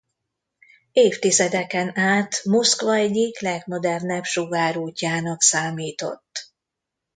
Évtizedeken át Moszkva egyik legmodernebb sugárútjának számított.